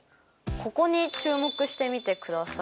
ここに注目してみてください。